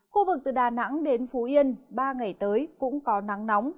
khu vực từ đà nẵng đến phú yên ba ngày tới cũng có nắng nóng